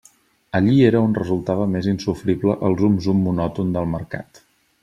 Allí era on resultava més insofrible el zum-zum monòton del Mercat.